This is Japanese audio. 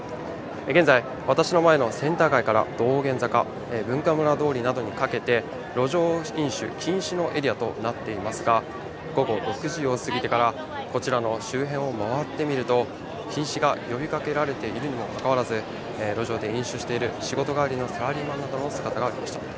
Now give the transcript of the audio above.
現在、私の前のセンター街から道玄坂、文化村通りなどにかけて、路上飲酒禁止のエリアとなっていますが、午後６時を過ぎてから、こちらの周辺を回ってみると、禁止が呼びかけられているにもかかわらず、路上で飲酒している仕事帰りのサラリーマンなどの姿がありました。